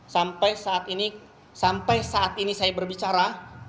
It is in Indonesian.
sampai saat ini saya berbicara